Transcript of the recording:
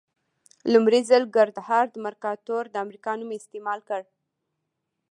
لومړي ځل ګردهارد مرکاتور د امریکا نوم استعمال کړ.